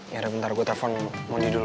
yaudah bentar gue telfon moni dulu